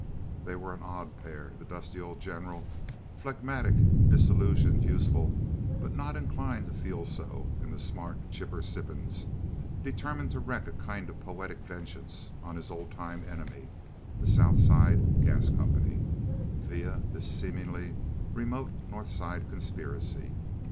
They were an odd pair—the dusty old General phlegmatic, disillusioned, useful, but not inclined to feel so; and the smart, chipper Sippens, determined to wreak a kind of poetic vengeance on his old time enemy, the South Side Gas Company, via this seemingly remote Northside conspiracy.